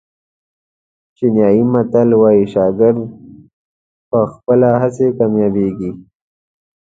چینایي متل وایي شاګرد په خپلې هڅې کامیابېږي.